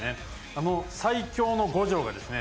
あの最強の五条がですね